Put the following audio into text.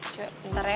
coba bentar ya